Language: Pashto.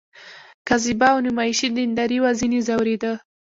کاذبه او نمایشي دینداري وه ځنې ځورېده.